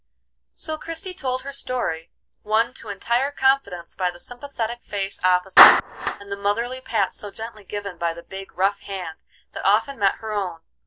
So Christie told her story, won to entire confidence by the sympathetic face opposite, and the motherly pats so gently given by the big, rough hand that often met her own.